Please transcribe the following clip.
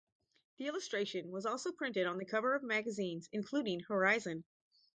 The illustration was also printed on the cover of magazines, including "Horizon".